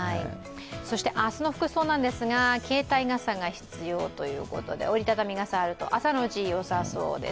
そして明日の服装なんですが携帯傘が必要ということで折りたたみ傘があると朝のうち、良さそうです。